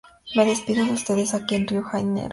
Me despido de ustedes aquí en Río de Janeiro.